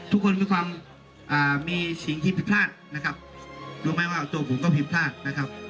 ทุกคนมีความมีสิ่งที่ผิดพลาดนะครับรู้ไหมว่าตัวผมก็ผิดพลาดนะครับ